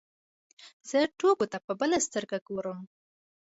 زه ټوکو ته په بله سترګه ګورم.